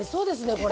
これ。